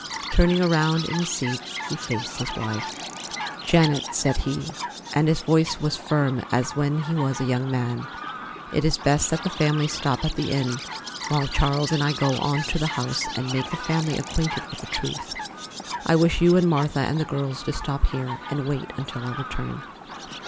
Turning around in his seat, he faced his wife. "Janet," said he, and his voice was firm as when he was a young man, "it is best that the family stop at the inn while Charles and I go on to the house and make the family acquainted with the truth. I wish you and Martha and the girls to stop here and wait until our return."